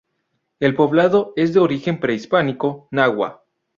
El poblado es de origen prehispánico náhua.